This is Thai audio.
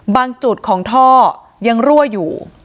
จุดของท่อยังรั่วอยู่